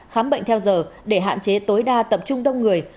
khám bệnh theo giờ để hạn chế tối đa tập trung đông người